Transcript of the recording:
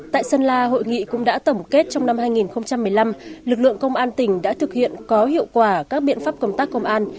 tại sơn la hội nghị cũng đã tổng kết trong năm hai nghìn một mươi năm lực lượng công an tỉnh đã thực hiện có hiệu quả các biện pháp công tác công an